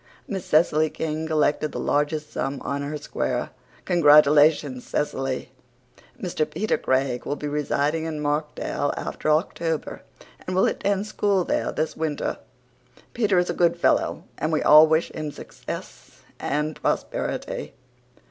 Miss Cecily King collected the largest sum on her square. Congratulations, Cecily. Mr. Peter Craig will be residing in Markdale after October and will attend school there this winter. Peter is a good fellow and we all wish him success and prosperity.